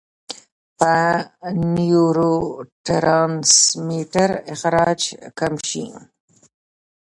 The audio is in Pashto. يا نيوروټرانسميټر اخراج کم شي -